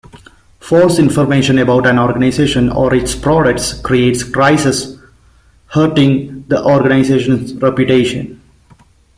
False information about an organization or its products creates crises hurting the organization's reputation.